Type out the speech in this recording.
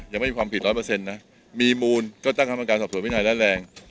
ยังไม่มีความผิดร้อยเปอร์เซ็นต์นะมีมูลก็ตั้งกรรมการสอบส่วนวินัยร้ายแรง